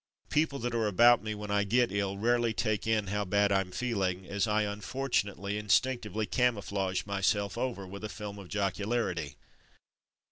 People that are about me when I get ill, rarely take in how bad I'm feeling, as I, unfortunately, instinctively camouflage my self over with a film of jocularity.